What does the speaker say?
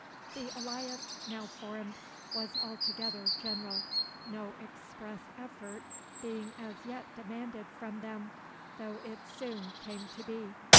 The alliance now formed was altogether general no express effort being as yet demanded from them, though it soon came to be.